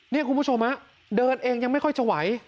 นี่คุณผู้ชมฮะเดินเองยังไม่ค่อยจะไหว